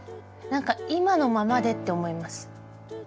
何か今のままでって思います。